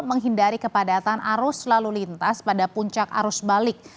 menghindari kepadatan arus lalu lintas pada puncak arus balik